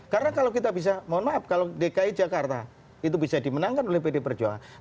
karena kalau kita bisa mohon maaf kalau dki jakarta itu bisa dimenangkan oleh pdib perjuangan